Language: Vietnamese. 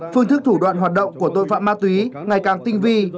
phương thức thủ đoạn hoạt động của tội phạm ma túy ngày càng tinh vi